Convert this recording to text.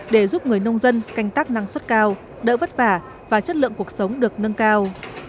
để giúp người nông dân canh tác năng suất cao đỡ vất vả và chất lượng cuộc sống được nâng cao